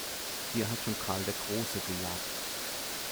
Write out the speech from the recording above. Hier hat schon Karl der Große gejagt.